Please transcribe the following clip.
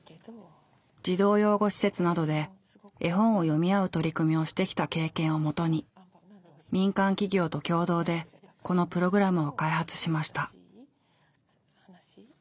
児童養護施設などで絵本を読みあう取り組みをしてきた経験をもとに民間企業と共同でこのプログラムを開発しました。